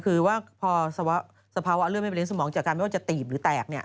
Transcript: คือว่าพอสภาวะเลือดไม่ไปเลีสมองจากการไม่ว่าจะตีบหรือแตก